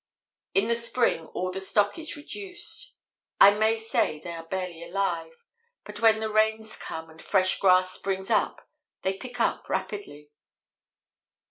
"In the spring all the stock is reduced; I may say they are barely alive, but when the rains come and fresh grass springs up they pick up rapidly."